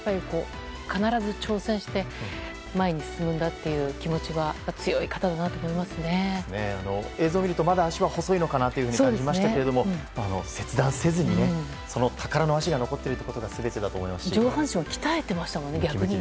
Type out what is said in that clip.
必ず挑戦して前に進むんだという気持ちは映像を見るとまだ足は細いのかなと感じましたけども、切断せずにその宝の足が残っていることが逆に上半身を鍛えてましたね。